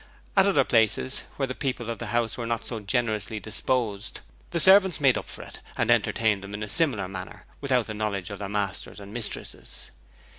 At other places, where the people of the house were not so generously disposed, the servants made up for it, and entertained them in a similar manner without the knowledge of their masters and mistresses.